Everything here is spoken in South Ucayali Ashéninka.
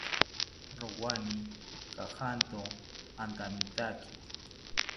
Rowani kajanto antamitaki